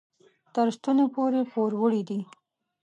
تر ستوني پورې پوروړي دي.